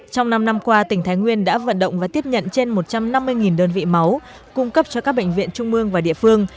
trong năm năm qua tỉnh thái nguyên đã vận động và tiếp nhận trên một trăm năm mươi đơn vị máu cung cấp cho các bệnh viện trung mương và địa phương